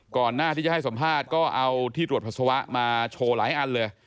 ก่อนหน้าที่จะให้สัมภาษณ์ก็เอาที่ตรวจปัสสาวะมาโชว์หลายอันเลย